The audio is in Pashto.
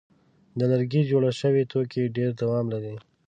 د لرګي جوړ شوي توکي ډېر دوام لري.